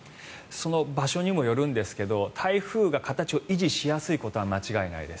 場所にもよるんですが台風が形を維持しやすいことは間違いないです。